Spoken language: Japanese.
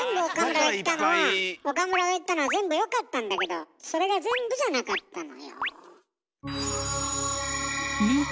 岡村が言ったのは全部よかったんだけどそれが全部じゃなかったのよ。